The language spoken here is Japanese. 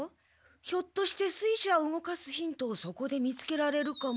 ひょっとして水車を動かすヒントをそこで見つけられるかも。